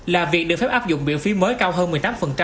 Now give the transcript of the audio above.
là việc được phép áp dụng biểu phí mới cao hơn một mươi tám